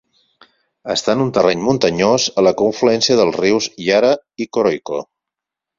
Està en un terreny muntanyós a la confluència dels rius Yara i Coroico.